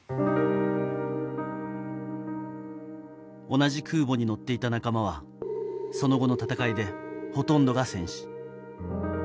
同じ空母に乗っていた仲間はその後の戦いでほとんどが戦死。